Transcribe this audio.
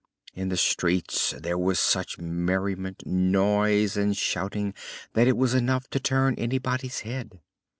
In the streets there was such merriment, noise and shouting that it was enough to turn anybody's head.